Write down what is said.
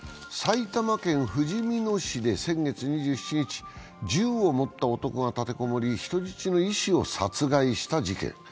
埼玉県ふじみ野市で先月２７日、銃を持った男が立て籠もり、人質の医師を殺害した事件。